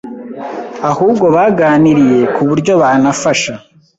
ahubwo baganiriye ku buryo banafasha